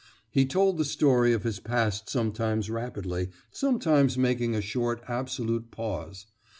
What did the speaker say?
"He told the story of his past sometimes rapidly, sometimes making a short, absolute pause.